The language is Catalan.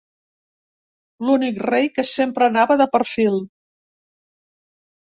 L'únic rei que sempre anava de perfil.